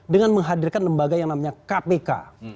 dengan menghadirkan lembaga yang namanya kpk